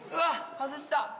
外した！